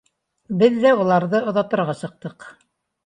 Беҙ ҙә уларҙы оҙатырға сыҡтыҡ.